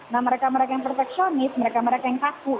nah mereka mereka yang perfeksionis mereka mereka yang takut